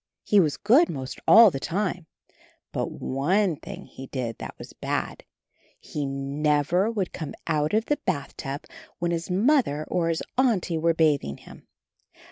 He was good most all the time, but one thing he did that was bad — he never would come out of the bathtub when his Mother or his Auntie were bathing him.